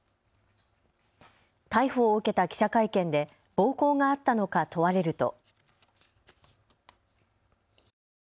逮捕を受けた記者会見で暴行があったのか問われると。